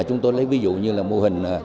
chúng tôi lấy ví dụ như là mô hình